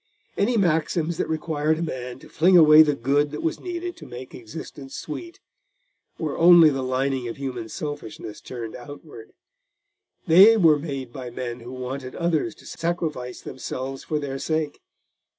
Any maxims that required a man to fling away the good that was needed to make existence sweet, were only the lining of human selfishness turned outward: they were made by men who wanted others to sacrifice themselves for their sake.